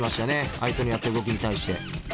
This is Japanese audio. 相手のやってる動きに対して。